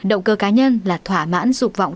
động cơ cá nhân là thỏa mãn dục vọng